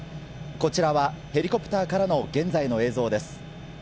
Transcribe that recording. こちらはヘリコプターからの現在の映像です。